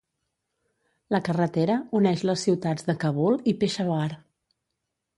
La carretera uneix les ciutats de Kabul i Peshawar.